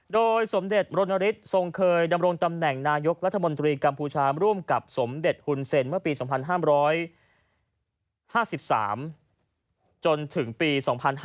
โดยสมเด็จมรณฤทธิ์ทรงเคยดำรงตำแหน่งนายกรัฐมนตรีกัมพูชาร่วมกับสมเด็จฮุนเซ็นเมื่อปี๒๕๕๓จนถึงปี๒๕๕๙